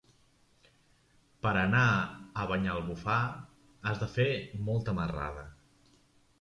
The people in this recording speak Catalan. Per anar a Banyalbufar has de fer molta marrada.